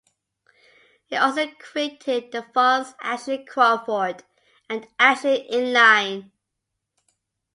He also created the fonts "Ashley Crawford" and "Ashley Inline".